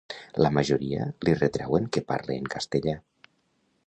La majoria li retrauen que parle en castellà.